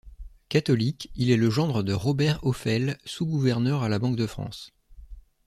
Catholique, il est le gendre de Robert Ophèle, sous-gouverneur à la Banque de France.